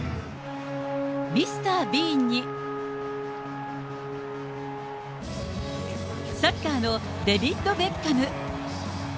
ミスター・ビーンにサッカーのデビッド・ベッカム。